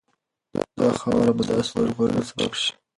دا خاوره به د آس د ژغورنې سبب شي.